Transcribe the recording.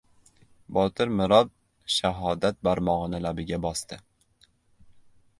Botir mirob shahodat barmog‘ini labiga bosdi.